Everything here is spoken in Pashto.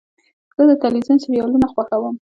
زه د تلویزیون سریالونه خوښوم.